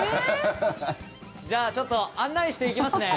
じゃあ、ちょっと案内していきますね。